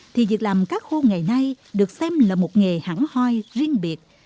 thì việc làm cá khô ngày nay được xem là một nghề hẳn hoi riêng biệt